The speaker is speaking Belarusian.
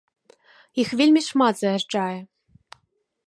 Іх вельмі шмат заязджае.